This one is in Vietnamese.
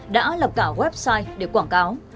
đã lập cả website để quảng cáo